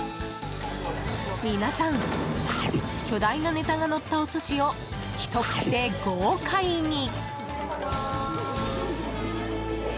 皆さん、巨大なネタがのったお寿司を、ひと口で豪快に！